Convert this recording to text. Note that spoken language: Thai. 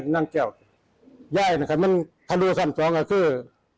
นั่งแก้วย่ายน่ะค่ะมันทะลูสั่นช้องอ่ะคือ